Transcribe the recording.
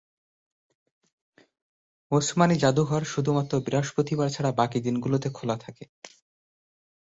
ওসমানী জাদুঘর শুধুমাত্র বৃহস্পতিবার ছাড়া বাকি দিনগুলোতে খোলা থাকে।